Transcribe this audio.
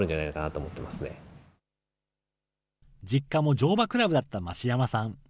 乗馬クラブだった増山さん。